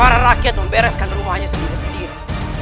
para rakyat membereskan rumahnya sendiri sendiri